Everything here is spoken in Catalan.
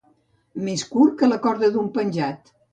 Més curt que la corda d'un penjat.